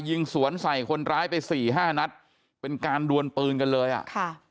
ยิงสวนใส่คนร้ายไปสี่ห้านัดเป็นการดวนปืนกันเลยอ่ะค่ะ